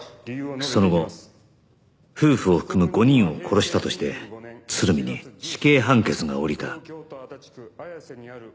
その後夫婦を含む５人を殺したとして鶴見に死刑判決が下りた